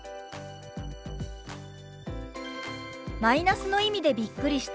「マイナスの意味でびっくりした」。